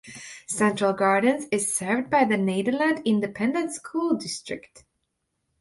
Central Gardens is served by the Nederland Independent School District.